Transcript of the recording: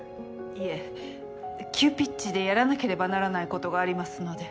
いえ急ピッチでやらなければならないことがありますので。